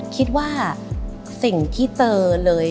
คิดว่าสิ่งที่เจอเลย